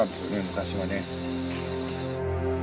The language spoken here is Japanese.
昔はね。